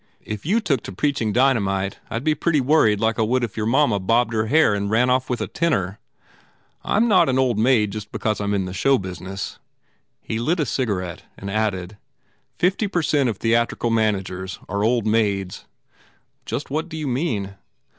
If you took to preaching dynamite I d be pretty worried like I would if your mamma bobbed her hair and ran off with a tenor. I m not an old maid just because I m in the show busi ness." He lit a cigarette and added. "Fifty per cent of theatrical managers are old maids." "Just what do you mean?"